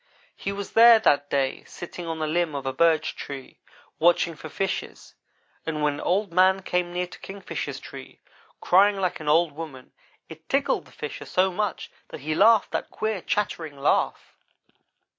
He was there that day, sitting on the limb of a birch tree, watching for fishes, and when Old man came near to Kingfisher's tree, crying like an old woman, it tickled the Fisher so much that he laughed that queer, chattering laugh.